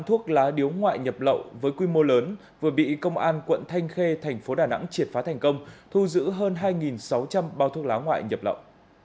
thuốc lá điếu ngoại nhập lậu với quy mô lớn vừa bị công an quận thanh khê thành phố đà nẵng triệt phá thành công thu giữ hơn hai sáu trăm linh bao thuốc lá ngoại nhập lậu